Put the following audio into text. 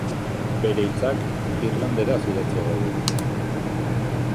Bere hitzak irlanderaz idatziak daude.